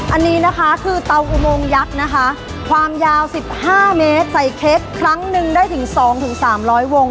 อันนี้นะคะคือเตาอุโมงยักษ์นะคะความยาว๑๕เมตรใส่เค้กครั้งหนึ่งได้ถึง๒๓๐๐วง